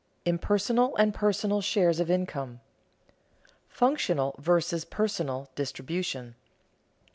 IMPERSONAL AND PERSONAL SHARES OF INCOME [Sidenote: Functional vs. personal distribution] 1.